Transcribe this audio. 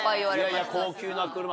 いやいや高級な車。